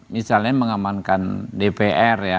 misalnya mengamankan dpr ya